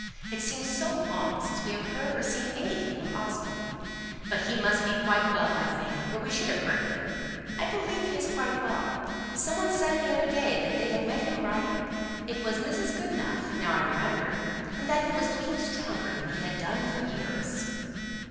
It seems so long since we have heard or seen anything of Osborne. But he must be quite well, I think, or we should have heard of it." "I believe he is quite well. Some one said the other day that they had met him riding it was Mrs. Goodenough, now I remember and that he was looking stronger than he had done for years."